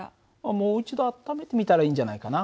もう一度温めてみたらいいんじゃないかな。